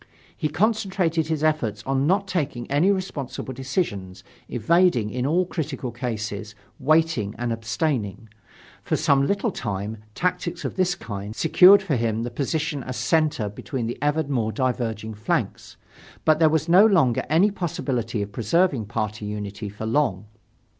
He concentrated his efforts on not taking any responsible decisions, evading in all critical cases, waiting and abstaining. For some little time, tactics of this kind secured for him the position as center between the ever more diverging flanks. But there was no longer any possibility of preserving party unity for long.